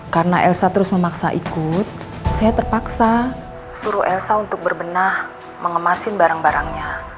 karena elsa terus memaksa ikut saya terpaksa suruh elsa untuk berbenah mengemasin barang barangnya